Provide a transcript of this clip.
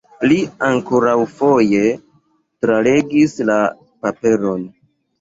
Li ankoraŭfoje tralegis la paperon.